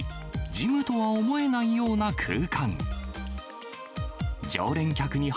ジムとは思えないような空間。